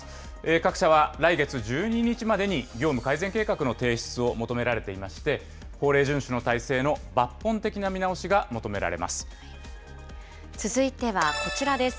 各社は来月１２日までに業務改善計画を提出を求められていまして、法令順守の体制の抜本的な見直し続いてはこちらです。